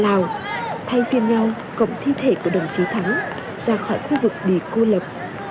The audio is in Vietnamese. lào thay phiên nhau cộng thi thể của đồng chí thắng ra khỏi khu vực bị cô lập